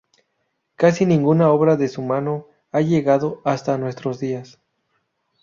Casi ninguna obra de su mano ha llegado hasta nuestros días.